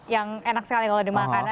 yang enak sekali kalau dimakan